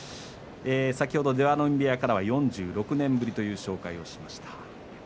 先ほど出羽海部屋からは４６年ぶりという紹介しました。